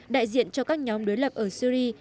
đại diện cho các nhóm đối lập ở syri